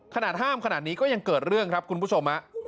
ห้ามขนาดนี้ก็ยังเกิดเรื่องครับคุณผู้ชม